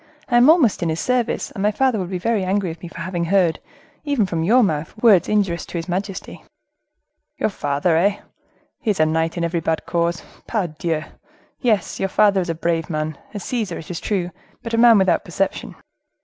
I am almost in his service, and my father would be very angry with me for having heard, even from your mouth, words injurious to his majesty." "Your father, eh! He is a knight in every bad cause. Pardieu! yes, your father is a brave man, a Caesar, it is true—but a man without perception."